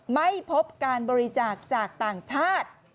ไม่พบการบริจาคจากต่างชาติ